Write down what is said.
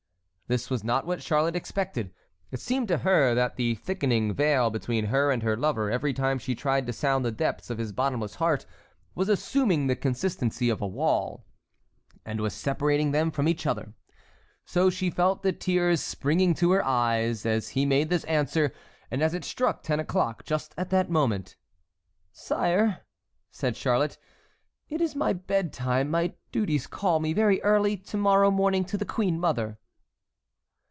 This was not what Charlotte expected; it seemed to her that the thickening veil between her and her lover every time she tried to sound the depths of his bottomless heart was assuming the consistency of a wall, and was separating them from each other. So she felt the tears springing to her eyes as he made this answer, and as it struck ten o'clock just at that moment: "Sire," said Charlotte, "it is my bed time; my duties call me very early to morrow morning to the queen mother."